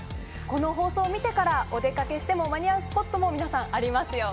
この放送を見てからお出掛けしても間に合うスポットも皆さんありますよ。